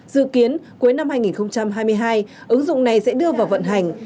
dự kiến cuối năm hai nghìn hai mươi hai ứng dụng này sẽ đưa vào vận hành